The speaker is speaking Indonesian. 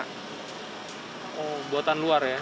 oh buatan luar ya